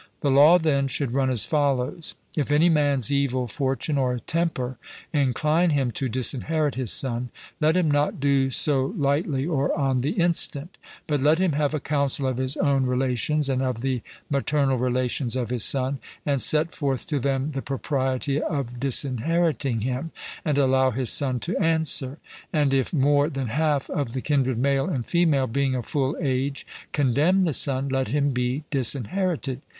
The law, then, should run as follows: If any man's evil fortune or temper incline him to disinherit his son, let him not do so lightly or on the instant; but let him have a council of his own relations and of the maternal relations of his son, and set forth to them the propriety of disinheriting him, and allow his son to answer. And if more than half of the kindred male and female, being of full age, condemn the son, let him be disinherited.